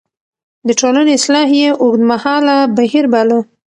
د ټولنې اصلاح يې اوږدمهاله بهير باله.